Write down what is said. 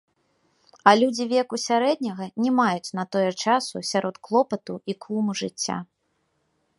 А людзі веку сярэдняга не маюць на тое часу сярод клопату і клуму жыцця.